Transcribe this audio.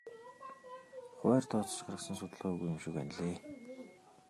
Хувиар тооцож гаргасан судалгаа үгүй юм шиг байна лээ.